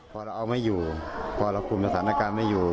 พอเราเอาไม่อยู่พอเราคุมสถานการณ์ไม่อยู่